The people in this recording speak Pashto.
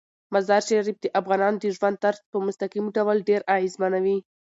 مزارشریف د افغانانو د ژوند طرز په مستقیم ډول ډیر اغېزمنوي.